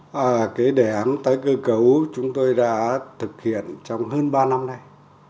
và cái đề án tái cơ cấu chúng tôi đã thực hiện trong hơn ba năm nay